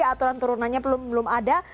aturan turunannya belum ada